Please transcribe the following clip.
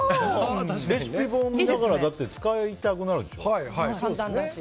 レシピ本だから使いたくなるでしょ。